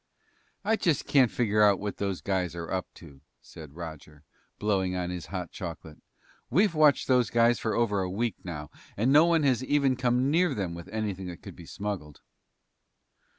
"I just can't figure out what those guys are up to," said Roger, blowing on his hot chocolate. "We've watched those guys for over a week now and no one has even come near them with anything that could be smuggled."